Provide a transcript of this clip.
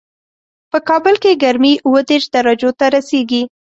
په کابل کې ګرمي اووه دېش درجو ته رسېږي